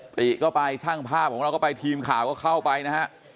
ติก็ไปช่างภาพของเราก็ไปทีมข่าวก็เข้าไปนะฮะ